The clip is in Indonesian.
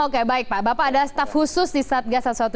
oke baik pak bapak adalah staff khusus di satgas satu ratus tiga belas